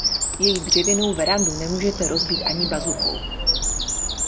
Její dřevěnou verandu nemůžete rozbít ani bazukou.